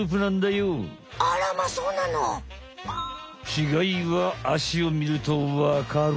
ちがいはあしをみるとわかる。